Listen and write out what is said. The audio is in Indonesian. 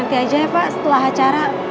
oke aja ya pak setelah acara